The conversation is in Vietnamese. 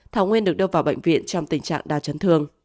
thảo nguyên được đưa vào bệnh viện trong tình trạng đa chấn thương